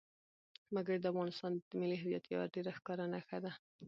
وګړي د افغانستان د ملي هویت یوه ډېره ښکاره نښه ده.